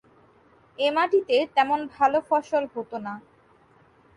এ মাটিতে তেমন ভাল ফসল হতো না।